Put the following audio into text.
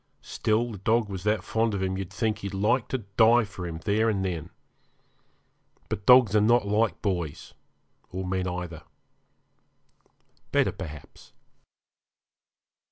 Still the dog was that fond of him you'd think he'd like to die for him there and then. But dogs are not like boys, or men either better, perhaps.